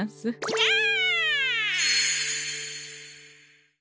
ニャア！